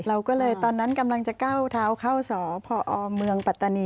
เราก็เลยตอนนั้นกำลังจะก้าวเท้าเข้าสพเมืองปัตตานี